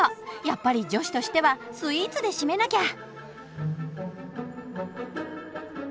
やっぱり女子としてはスイーツで締めなきゃ！